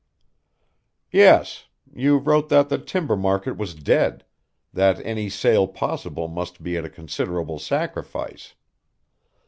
"Yes. You wrote that the timber market was dead, that any sale possible must be at a considerable sacrifice.